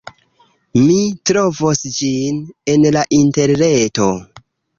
Mi trovos ĝin en la Interreto.